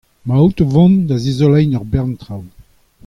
Emaout o vont da zizoleiñ ur bern traoù !